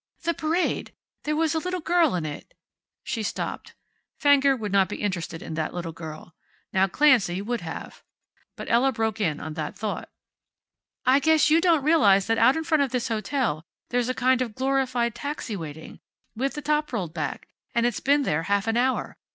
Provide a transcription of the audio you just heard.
"The parade. There was a little girl in it " she stopped. Fenger would not be interested in that little girl. Now Clancy would have but Ella broke in on that thought. "I guess you don't realize that out in front of this hotel there's a kind of a glorified taxi waiting, with the top rolled back, and it's been there half an hour.